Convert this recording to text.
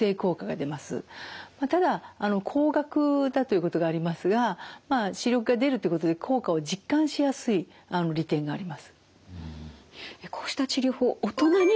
ただ高額だということがありますがまあ視力が出るということで効果を実感しやすい利点があります。